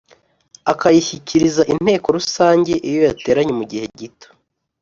akayishyikiriza inteko rusange iyo yateranye mu gihe gito